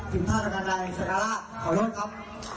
ถึงท่าจังงานใดสการ่าขอโทษครับ